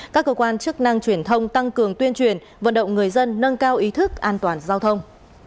các cơ quan chức năng truyền thông tăng cường tuyên truyền vận động người dân nâng cao ý thức an toàn giao thông